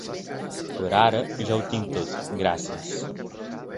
Per ara ja ho tinc tot, gracies.